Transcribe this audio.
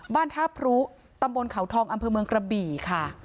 บ้านท่าพรุตำบลเขาทองอำเภอเมืองกระบี่ค่ะ